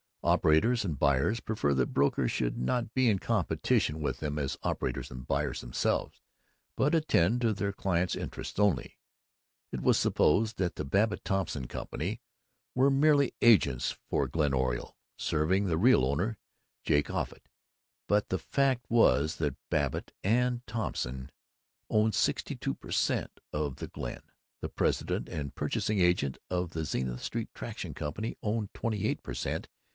Operators and buyers prefer that brokers should not be in competition with them as operators and buyers themselves, but attend to their clients' interests only. It was supposed that the Babbitt Thompson Company were merely agents for Glen Oriole, serving the real owner, Jake Offutt, but the fact was that Babbitt and Thompson owned sixty two per cent. of the Glen, the president and purchasing agent of the Zenith Street Traction Company owned twenty eight per cent.